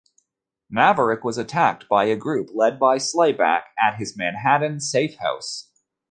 Maverick was attacked by a group led by Slayback at his Manhattan safe house.